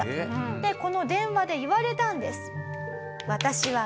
でこの電話で言われたんです。